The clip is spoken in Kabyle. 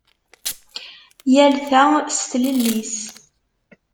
Yal ta s tlelli-s.